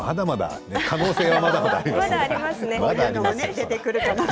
可能性はまだまだありますよ。